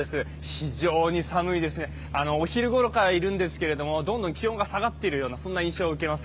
非常に寒いですね、お昼ごろからいるんですけれどもどんどん気温が下がっているような印象を受けます。